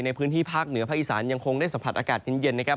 ในพื้นที่ภาคเหนือภาคอีสานยังคงได้สัมผัสอากาศเย็นนะครับ